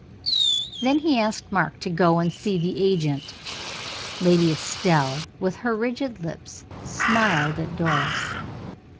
Then he asked Mark to go and see the agent. Lady Estelle, with her rigid lips, smiled at Doris.